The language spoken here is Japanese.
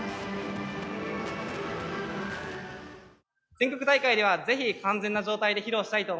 全国大会では是非完全な状態で披露したいと思います。